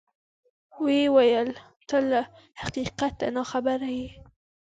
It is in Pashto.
ویې ویل: ته له حقیقته ناخبره یې.